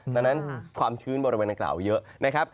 ดังนั้นความชื้นบริเวณดังกล่าวเยอะนะครับ